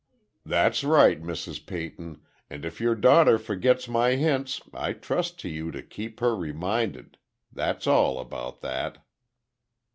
"That's right, Mrs. Peyton. And if your daughter forgets my hints I trust to you to keep her reminded. That's all about that."